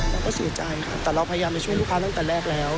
เราก็เสียใจค่ะแต่เราพยายามไปช่วยลูกค้าตั้งแต่แรกแล้ว